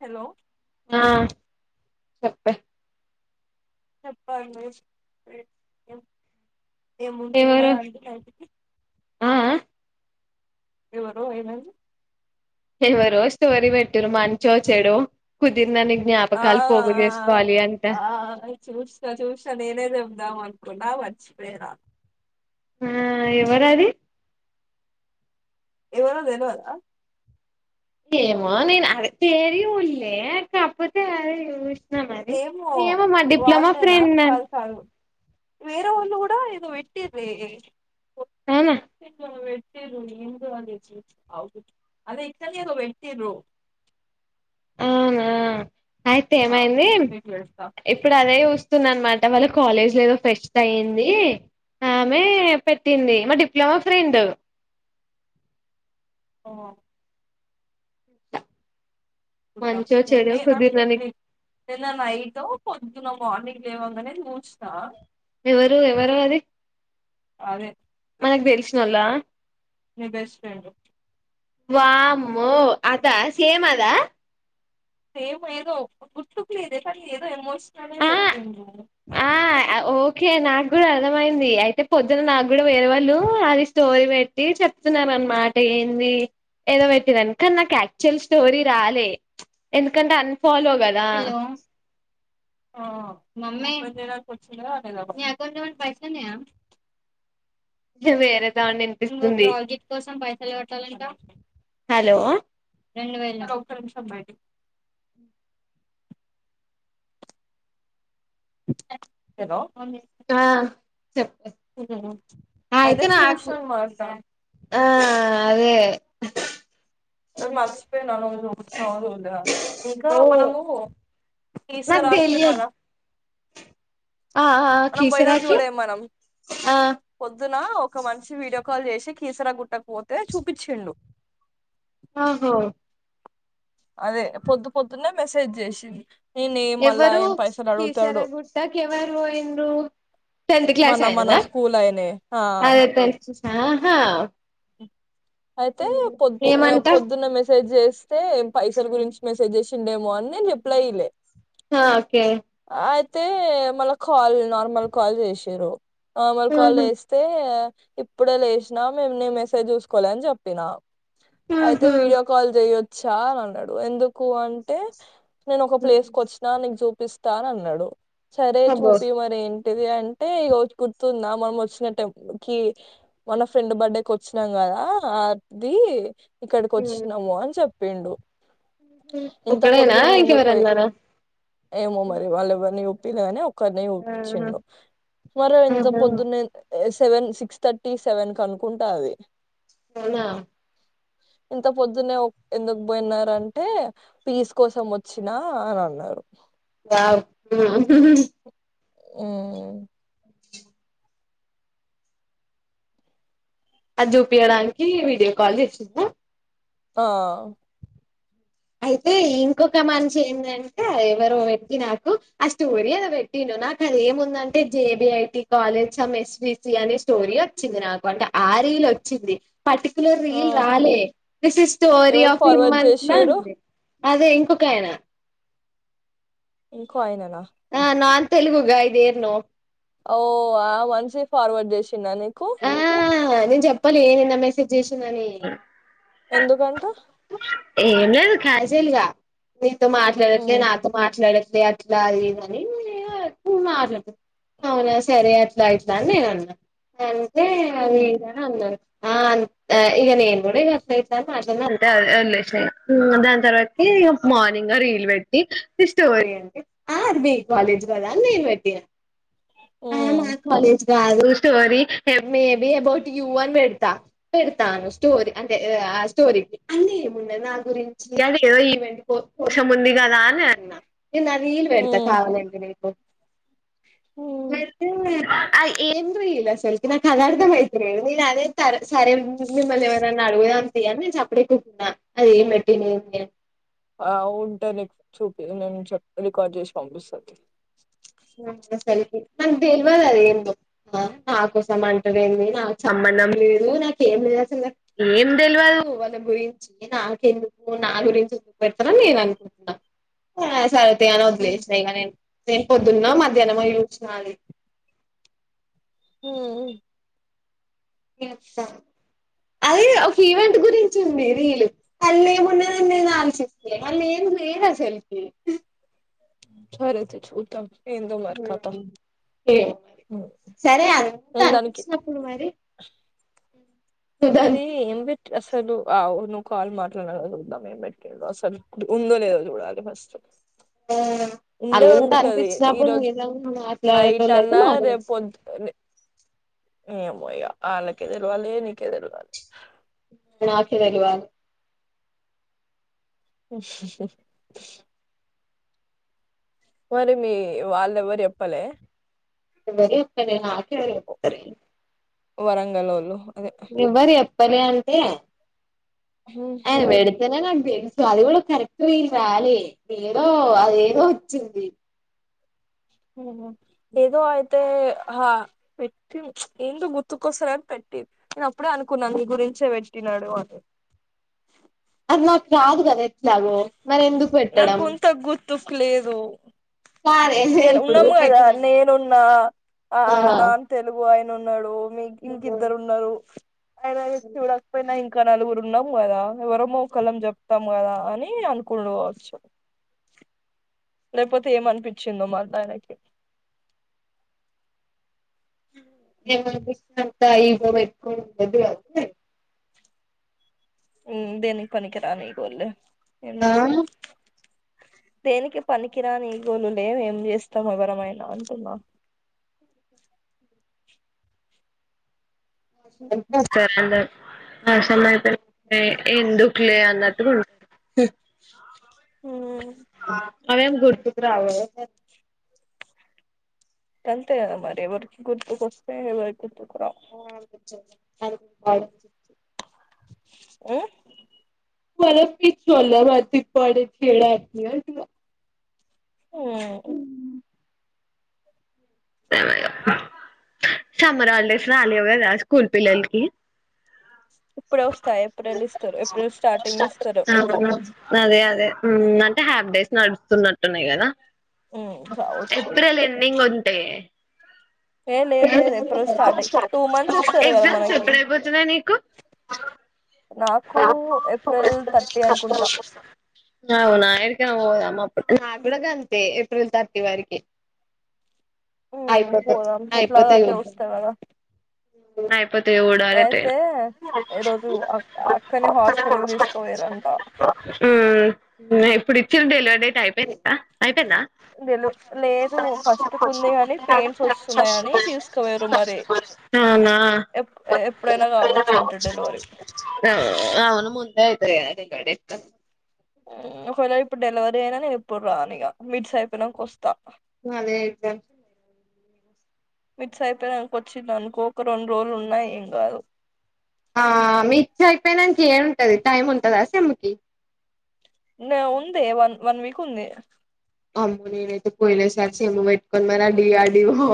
Hello ఆ చెప్పే చెప్పాల్ అన్వేష్ ఏమో తీమో ఎవరు అంటి నాక్ ఆ ఆ ఎవరు ఏమైంది. ఎవరు స్టోరి పెట్టిర్రు మంచో చెడో కుదిర్నన్ని జ్ఞాపకాలు ఆ పోగు చేస్కోవాలని ఆ చూస్నా చూస్నా నేనే చెప్దాం అనుకున్నా మర్చిపోయినా. ఆ ఎవరది. ఏమో తెల్వదా ఏమో నేను అది తెరి హుయే కాపోతే అద ఏమో వాళ్ళేనా ఫ్రెండ్ అన్ ఫైవ్ ఫైవ్ వేరే వాళ్ళ కూడా ఏదో వెట్టిీర్రే అవునా అట్ట వెట్టిర్రు నేను కూడా అదే చూచ్నా అదే వెన్కాలా ఏదో వెట్టిర్రు. అవునా అయితే ఆగు ఏమైంది చూసి నీకు పెడతా ఇప్పుడు అదే వస్తుంద అనమాట వాళ్ళ క్ కాలేజ్ లో ఏదో ఫెస్ట్ అయ్యింది. ఆమె పెట్టింది మా డిప్లొమా ఫ్రెండ్. ఆ మంచో చెడో కుదిరినన్ని నిన్న నైట్ పొద్దున మార్నింగ్ లేవంగనే చూస్నవా. ఎవరు ఎవరు అది అదే మనకు తెలిసినోళ్ళ. మీ బెస్ట్ ఫ్రెండ్ వామ్మో అదా సేమ్ అదా సేమ్ ఏదో గుర్తుకు లేదే సారి ఏదో ఎమోషన్ నే ఆ పెట్టిండు ఆ ఓకే నాకు కూడా అర్థమైంది అయితే పొద్దున నాకు కూడా వేరే వాళ్ళు అది స్టోరీ పెట్టి చెప్తున్నారు అనమాట ఇ ఏదో పెట్టి కానీ నాకు యాక్చువల్ స్టోరీ రాలే ఎందుకంటే అ ఫాలోగదా హలో మమ్మీ నీ ఎకౌంట్ లో కూడా పైసలు ఉన్నయా వేరే దాన్ని ఇంకో వినిపిస్తుంది ప్రాజెక్ట్ కోసం పైసలు కట్టాలంటా హలో రెండు వేల హలో ఆ చెప్పే అయితే నాకు చూసిన అన్నమాట ఆ అదే మర్చిపోయాను [unintelligible] ఇంకా ఓ మనము నాకు కీసరాకి తెలియదు మనం ఆ ఆ మనం పోయినం కీసరాకి చూడే మనం ఆ పొద్ పొద్దున ఒక మనిషి వీడియో కాల్ చేసి కీసర గుట్టకుపోతే చూపిచ్చిండు ఆహా అదే పొద్దు పొద్దున్నే మెస్సేజ్ చేసింది నేనే మళ్ళా ఎవరు ఏం పైసలు కీసర అడుగుతాడు గుట్టకెవరు వోయిన్రు టెన్త్ క్లాస్ మన మన ఆయననా స్కూల్ అయినే ఆ అదే తెలుసు ఆహా అయితే పొద్ అ ఏమంట పొద్దున్నే మెస్సేజ్ జే స్తే పైసల గురించి మెస్సేజ్ చేసిండేమో అని నేను రిప్లై ఇయ్లే హ ఓకే తే మళ్ళ కాల్ నార్మల్ కాల్ జేసిరు నార్మల్ కాల్ ఉహు జేస్తే ఇప్పుడే లేసినా మేము నీ మెసేజ్ చూసుకోలే అని జెప్పిన అయితే ఉహు వీడియో కాల్ జేయొచ్చా అని అన్నడు ఎందుకు అంటే నేను ఒక ప్లేస్ కు వచ్చినా నీకు చూపిస్తాను అన్నడు సరే అబ్బో చూపి మరేం టిది అంటే ఈరోజు గుర్తుందా మనం వచ్చిన టెం కి మొన్న ఫ్రెండ్ బర్త్డే కొచ్చినం గదా అది ఇక్కడికి వచ్చినాము అని చెప్పిండు ఇంత ఒక్కడేనా పొద్దున్నే ఎందుకు పోయి ఇంకెవరన్నారా ఏమో మరి వాళ్ళు ఎవరిని చూ పిలేగాని ఒకరినే ఆహా చూపిచ్చిండు మరేం ఇంత ఆహా పొద్దున్నే లేస్ సెవెన్ సిక్స్ థర్టీ సెవెన్ కి అనుకుంటా అది అవునా ఇంత పొద్దున్నే ఎందుకు బోయినారంటే పీస్ కోసం వచ్చినా అని అన్నారు. వావ్ ఉమ్ అది జూపియ్యడానికి వీడియో కాల్ చేసిండా ఆ అయితే ఇంకొక మంచి ఏందంటే ఎవరో ఎక్కిన కు ఆ స్టోరీ ఏదో పెట్టిండ్రు నాకు అది ఏముందంటే J B I T college some S V C అనేస్ స్టోరీ వచ్చింది నాకు అంటే ఆ రీల్ వచ్చింది పర్టిక్యులర్ ఆ రీల్ రాలే దిస్ ఇస్ స్టోరీ ఎవరు ఆఫ్ ఫార్వర్డ్ హిమ్మంత్లా చేసిరు అదే ఇంకొకాయన ఇంకో అయన నా ఆ non Telugu guy there no ఓ ఆ వన్సీ ఫార్వర్డ్ జేసిన నీకు.? ! ఆ నేన్ జేప్పాలె నిన్న మెసేజ్ జేసిందని. ! ఎందుకంటా.? ఏం లేదు క్యాజేల్గా. నీతో మాట్లాడట్లే, మ్మ్ నాతో మాట్లాడ. ట్లే అట్లా అదిదని. [unintelligible] అవునా సరే అట్లా ఇట్లా అన్ నేనన్నా, అంతే అది మ్మ్ ఇదననాన్. ఆ ఇగ నేను గూడా ఇక [unintelligible] దాని తర్వాతి. ఇగ మార్నింగ్గా రీల్ బెట్టి స్టోరీ అంటె, ఆ అది మీ కాలేజ్ గదా. ! అని నేను బెట్టిన. ఆ మా మ్మ్ కాలేజ్ గాదు, స్టోరీ. ఏ మేబి అబౌట్ యూ అని బెడతా. పెడతాను స్టోరి అంటే ఏ ఆ స్టోరీ. ఏముండదు నా గురించి అది ఏదో ఈవెంట్ కోశం ఉంది గదా అని అన్నా. నేనా రీల్ బెడతా మ్మ్ కావాలంటే నీకు. మ్మ్ ఆ ఏంద్రీలసల్. నాకు అదర్థం అయితలేదు నేను అదే సరే సరే మిమ్మల్ని ఏవరన్నా అడుగుదాం తీ అన్ నేను సప్పిడిజేకుకునా. ఆ అదెం బెట్టింది ఊకె. ఆ ఉంటె నిక్ చూపి నేను చెప్తా రికార్డ్ జేసి పంపిస్త తీ. నాక్ దెల్వదదేందో. ఆ నా కోసం అంటవెంది నాక్ సమ్మ. దం లేదు నాకేం లేదసల ఏం తెలవదు వాళ్ళ గురించి నాకెందుకు నాగు. గురించి [unintelligible] నేను అనుకున్న ఆ సరేతీ అని వద్లేస్న ఇగ నేన్ తే. పొద్దున్నొ, మధ్యాహ్నామొ జూస్నా ఆది. ఊహ్హూ. మీ అత్తా. [inaudible] ఒక ఈవెంట్ గురించి ఉంది రీల్ అల్లేమున్నదని నేను ఆలోచిస్తే అల్లెం లేదసలు. [inaudible] సరైతే చూద్దాం ఏందో మరి కథ. ఏవో మరి. ఉమ్. సరే అంతా నేను దానికి అనిపిచినప్పుడు మరి. నువ్వు అదే దానికి ఏం బిట్ అస్. అసలు ఆవును కాల్ మాట్లానక జూద్దాం ఏం పెట్టుండో అసలు ఉందో లేదో జూడాలె ఫస్ట్. [inaudible] ఉండే అంత ఉంటది అనిపించినప్పుడు ఈరోజు నిజంగా నైట్ మాట్లాడేటోళ్ళు అన్న అయితే రేపు మాట్లాడతారు పొద్దున్నే. ఏమో ఇగ ఆల్లకే దెలవాలి నీకే దెలవాలే. నాకే దెలువాలె. ఊహుహు. మరి మీ వాళ్ళెవ్వరు జెప్పలే. ఎవ్వరు జెప్పాలే నాకెవరు జెప్తరిగ. వరంగలోళ్ళు. అదే ఎవ్వరు ఎప్పలే అంటే. ఉహు, ఆయన బెడితనే నాక్ దెలుసు అది గూడా. కరెక్ట్ ఎమ్ రాలే, ఏదో అదేదో వొచ్చింది. ఆహా, ఏదో అయితే. ఆ పెట్టి ప్చ్ ఏందో గుర్తుకొస్తలే అని పెట్టి, నే అప్పుడే అనుకున్నా నీ గురించే బెట్టి. [unintelligible] అది నాకు రాదు గదా ఎట్లాగో, మరెందుకు బెట్టడం. తుఫ్ లేదు. ఇగ ఇప్పుడు ఉన్నాము గదా పెట్టినా కానీ నేనున్నా, ఆ నాన్ తెలుగు వా. ఉన్నడు మీకి ఇంకిద్దరున్నరు అయినా చూడకపోయినా. ఇంకా నలుగురు ఉన్నాం గదా ఎవరమో ఒకలం జెప్తాం గదా అని అనుకున్నాడు కావ్. చ్చు. లేపోతే ఏమనిపిచ్చిందో మళ్ళా ఆయనకి. ఏమనిపిస్తాద [inaudible] ఈగో పెట్టుకో [unintelligible] ఉమ్ దేనికీ పనికిరాని ఈగోలు లే ఏం ఆ చేస్తం దేనికీ పనికిరాని ఈగోలు లే ఏం చేస్తాం ఎవరమైనా అంటున్నా [unintelligible] క్లే అన్నట్టు ఊ అవేం గుర్తుకురావు గదా గంతే గదా మరి ఎవరికి గుర్తుకొస్తే [unintelligible] [inaudible] ఆ మనం పిచ్చోళ్ళం [inaudible] ఊహూ సమ్మర్ హాలిడేస్ రాలేవు గదా స్కూల్ పిల్లల్కి ఇప్పుడే వస్తాయా ఏప్రిల్ ఇస్తరు ఏప్రిల్ స్టార్టింగ్ ఇస్తరు ఎగ్స్ ఉమ్ అంటే హ్యాఫ్ డేస్ నడుస్తున్నట్టున్నాయి కదా ఉమ్ కావచ్చు ఏప్రెల్ ఎండింగ్ ఉంటే ఏ లేదు లేదు ఎప్పుడో స్టార్ట్ అయ్యి టూ మంత్స్ ఇస్తారు కదా ఎగ్జామ్స్ మనకి ఎప్పుడైపోతున్నాయి నీకు నాకు ఏప్రిల్ థర్టీ అనుకుంటా అవునా ఏడికన్నా పోదాం నాకు గూడా గంతే ఏప్రిల్ థర్టీ వరికి ఉమ్ ఐపోతే పోదాం ఇట్లా ఐపోతే అటే వస్తా కదా [inaudible] అయిపోతాయి [unintelligible] ఎటైనా అక్కనే హాస్పెటల్ తీసుకోవోయారంట ఊ ఇప్పుడు ఇచ్చిన డెలివరీ డేట్ అయిపోయిందా అయిపోయిందా తెలు లేదు ఫస్ట్ కుంది కాని పెయిన్స్ వస్తున్నాయని తీసుకుపోయారు మరి [unintelligible] అవునా ఎప్- ఎప్పుడైనా కావచ్చంట డెలివరీ అవును ముందే [unintelligible] ఒకవేళ ఇప్పుడు డెలివరీ అయినా నేను ఎప్పుడు రానిగ మిడ్స్ అయిపోయినాక ఒస్తా అదే ఐతే మిడ్స్ అయిపోయినాంక వచ్చిందనుకో ఒక రెండు రోజులున్నా ఏం కాదు ఆ మిడ్స్ ఐపోయినంక ఏం ఉంటది టైమ్ ఉంటందా సిమ్ము కి నే ఉందే వన్ వన్ వీక్ ఉంది అమ్మో నేనైతే పోయిన సారి పెట్టుకొని [unintelligible] మరీ ఆ డి ఆర్ డి వో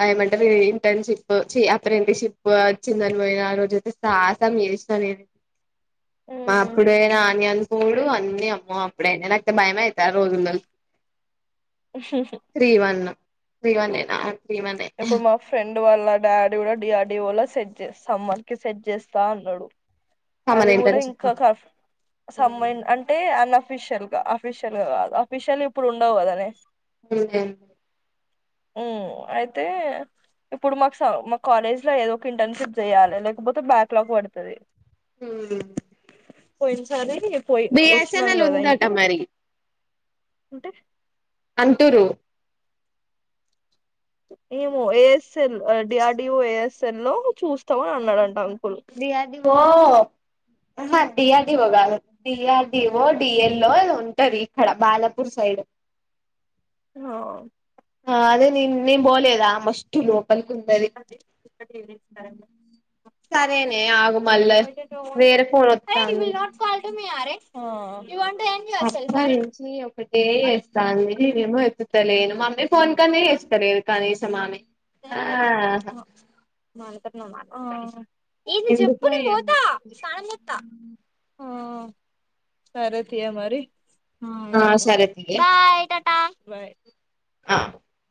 ఆ ఏమంటారు ఏంటన్ షిప్ ఛీ అప్రెంటీషిప్ అచ్చిందని పోయినా ఆ రోజు అయితే సాహసం చేసినా నేను మా ఉమ్ అప్పుడే నాని అనుకొనుడు అన్నీ అమ్మో అప్పుడయినా నాకైతే భయమైతాయి ఆ రోజుల్లో త్రీ వన్ త్రీ వన్ ఏ నా త్రీ వన్ యే డు వాళ్ళ డాడీ కూడా డి ఆర్ డి ఓ లో సెట్ చేస్తా సమ్మన్ కి సెట్ చేస్తా అన్నాడు అది సమ్మర్ కూడా ఇంటర్న్షిప్ ఇంక కఫ్ సం [inaudible] అంటే అన్ అఫీషియల్ గా ఫిష్యల్గాదు అఫీష్యల్ గా ఇప్పుడు ఉండవు గదనే ఉమ్ అయితే ఇప్పుడు మాకు సమ్ మా కాలేజ్ లో ఏదో ఒక ఇంటర్న్షిప్ జెయ్యాలి లేకపోతే బ్యాక్లాగ్ పడుతది హుమ్ పోయిన సారి పోయి వచ్చినం కదా అయిన్ ఉందట మరి అంటే అంటూరు ఏమో ఏఎస్ఎల్ ఆ డిఆర్డీఓ ఏఎస్ఎల్ లో చూస్తావా అన్నాడంటా డి ఆర్ డి ఓ అహ డీఆర్డీఓ కాదు డీఆర్డిఓ డిఎల్ ఏదో ఉంటది ఇక్కడ బాలపూర్ సైడ్ హా ఆ అదే నేం నేన్ బోలేదా మస్ట్ లో అదే [unintelligible] సరేనే ఆగు మళ్ళ వై గెట్ యు ఓన్లీ వేరే ఫోన్ హే వత్తాంది will not fall to me అరే ఆ అప్ప నుంచి ఒకటే ఏస్తాంది నేనేమో ఎత్తుతలేను మమ్మీ ఫోన్ కన్నా వేస్తలేదు కనీసం ఆమె ఆ [unintelligible] ఆ ఏది చెప్పు ఎందుకో నేం పోతా ఏమో ఆ సరే తీయే మరి ఆ సరే తీయే బాయ్ టాటా బాయ్ ఆ